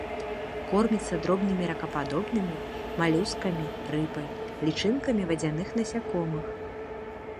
Корміцца дробнымі ракападобнымі, малюскамі, рыбай, лічынкамі вадзяных насякомых.